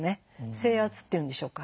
制圧っていうんでしょうか。